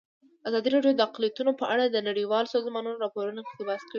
ازادي راډیو د اقلیتونه په اړه د نړیوالو سازمانونو راپورونه اقتباس کړي.